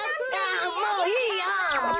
あもういいよ！